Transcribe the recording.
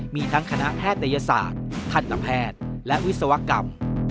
มีทั้งคณะแพทยศาสตร์ทันตแพทย์และวิศวกรรม